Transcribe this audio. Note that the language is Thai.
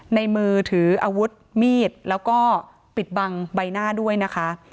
ในมือถืออาวุธมีดแล้วก็ปิดบังใบหน้าด้วยนะคะ